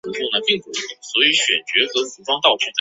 安都因河的河谷有哈比人聚居。